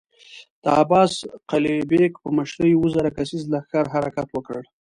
د عباس قلي بېګ په مشری اووه زره کسيز لښکر حرکت وکړ.